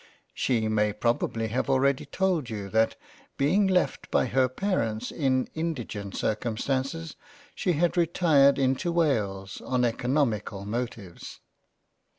She may probably have already told you that being left by her Parents in indigent Cir cumstances she had retired into Wales on eoconomical motives.